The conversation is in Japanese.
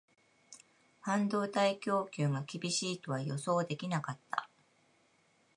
半導体供給が厳しいとは予想できなかった